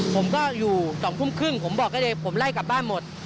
ผมก็อยู่๒ทุ่มครึ่งผมบอกได้เลยผมไล่กลับบ้านหมด